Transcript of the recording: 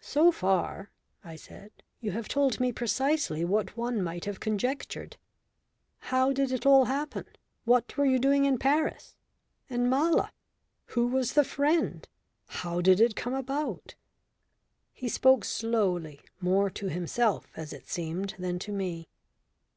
"So far," I said, "you have told me precisely what one might have conjectured. How did it all happen? What were you doing in Paris and Mala? Who was the friend? How did it come about?" He spoke slowly, more to himself, as it seemed, than to me.